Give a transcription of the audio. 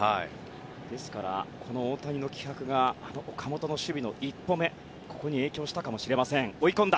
ですから、大谷の気迫が岡本の守備の１歩目ここに影響したかもしれません。